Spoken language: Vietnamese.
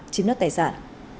chiếm đoạt tài sản